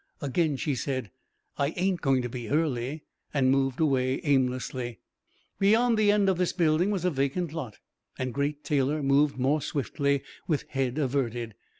Again she said, "I ain't going to be early," and moved away aimlessly. Beyond the end of this building was a vacant lot and Great Taylor moved more swiftly with head averted.